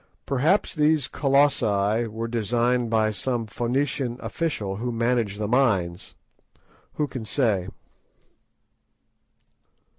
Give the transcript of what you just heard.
Perhaps these Colossi were designed by some Phoenician official who managed the mines. Who can say?"